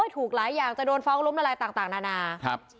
ถูกหลายอย่างจะโดนฟ้องล้มละลายต่างนานา